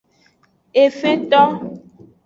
Efento.